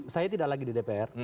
saya tidak lagi di dpr